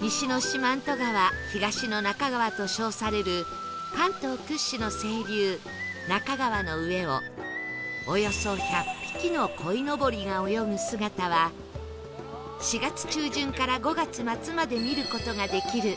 西の四万十川東の那珂川と称される関東屈指の清流那珂川の上をおよそ１００匹の鯉のぼりが泳ぐ姿は４月中旬から５月末まで見る事ができる